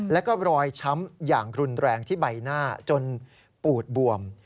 แล้วก็รอยช้ำอย่างรุนแรงที่ใบหน้าจนปูดบวม